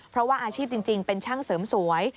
เพราะว่าอาชีพจริงเป็นช่างเสริมสวย